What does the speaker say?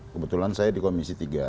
kebetulan saya di komisi tiga